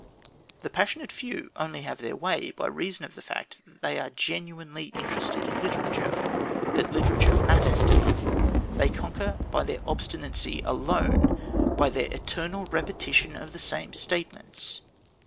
The passionate few only have their way by reason of the fact that they are genuinely interested in literature, that literature matters to them. They conquer by their obstinacy alone, by their eternal repetition of the same statements.